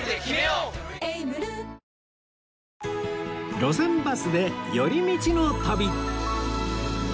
『路線バスで寄り道の旅』